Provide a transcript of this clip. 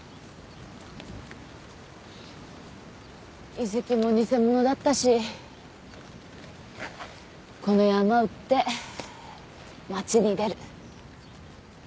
遺跡も偽物だったしこの山売って町に出る